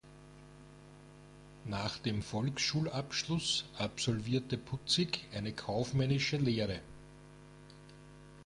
Nach dem Volksschulabschluss absolvierte Putzig eine kaufmännische Lehre.